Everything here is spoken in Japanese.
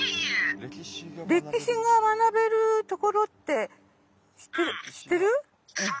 歴史が学べる所って知ってる？